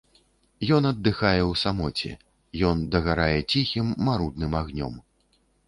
Ён аддыхае ў самоце, ён дагарае ціхім, марудным агнём.